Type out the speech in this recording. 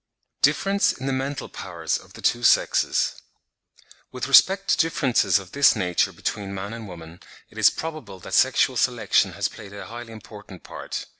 DIFFERENCE IN THE MENTAL POWERS OF THE TWO SEXES. With respect to differences of this nature between man and woman, it is probable that sexual selection has played a highly important part.